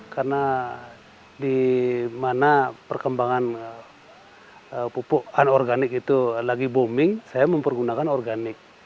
karena di mana perkembangan pupuk anorganik itu lagi booming saya mempergunakan organik